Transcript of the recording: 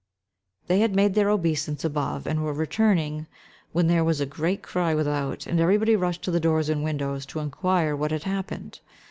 They had made their obeisance above, and were returning, when there was a great cry without, and everybody rushed to the doors and windows to inquire what had happened.